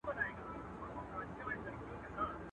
که په کور کي امير دئ، په بهر کي فقير دئ.